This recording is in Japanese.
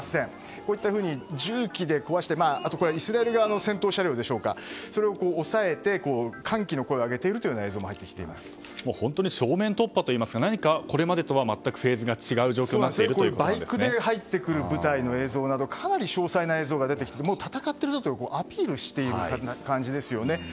こういったふうに重機で壊してイスラエル側の戦闘車両でしょうかそれを押さえて歓喜の声を上げているというような本当に正面突破といいますか何かこれまでとは全くフェーズが違う状況にバイクで入ってくる部隊の映像など、かなり詳細な映像が入ってきていて出てきていて戦っているぞとアピールしているような感じですよね。